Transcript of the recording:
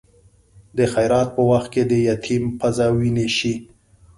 د خیرات په وخت کې د یتیم پزه وینې شي.